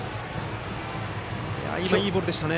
今のはいいボールでしたね。